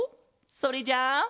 それじゃあ。